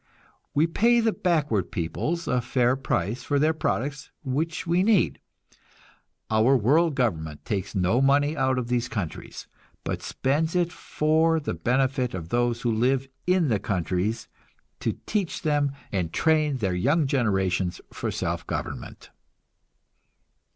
We pay the backward peoples a fair price for their products which we need. Our world government takes no money out of these countries, but spends it for the benefit of those who live in the countries, to teach them and train their young generations for self government.